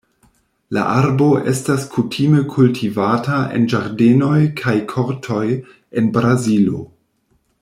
La arbo estas kutime kultivata en ĝardenoj kaj kortoj en Brazilo.